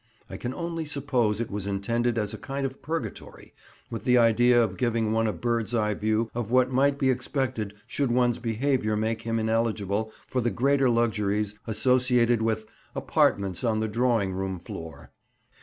I can only suppose it was intended as a kind of purgatory, with the idea of giving one a bird's eye view of what might be expected should one's behaviour make him ineligible for the greater luxuries associated with "apartments on the drawing room floor."